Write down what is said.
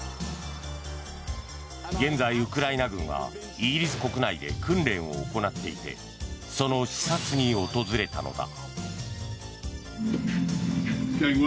現在、ウクライナ軍はイギリス国内で訓練を行っていてその視察に訪れたのだ。